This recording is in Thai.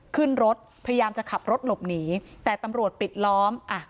ขึ้นรถพยายามจะขับรถหลบหนีแต่ตำรวจปิดล้อมอ่ะ